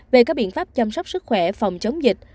về các biện pháp chăm sóc sức khỏe phòng chống dịch